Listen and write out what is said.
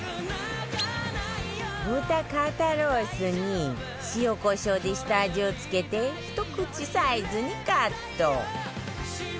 豚肩ロースに塩コショウで下味を付けてひと口サイズにカット